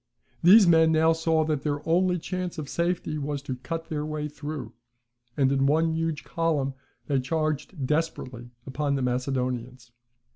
These men now saw that their only chance of safety was to cut their way through; and in one huge column they charged desperately upon the Macedonians.